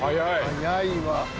早いわ。